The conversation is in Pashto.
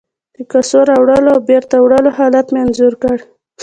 د کاسو راوړلو او بیرته وړلو حالت مې انځور کړ.